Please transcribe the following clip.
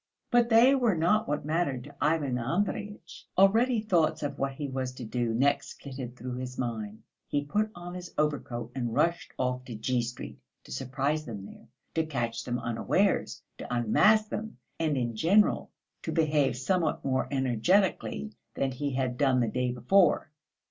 But they were not what mattered to Ivan Andreyitch. Already thoughts of what he was to do next flitted through his mind. He put on his overcoat and rushed off to G. Street to surprise them there, to catch them unawares, to unmask them, and in general to behave somewhat more energetically than he had done the day before.